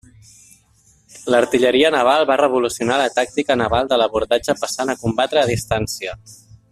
L'artilleria naval va revolucionar la tàctica naval de l'abordatge passant a combatre a distància.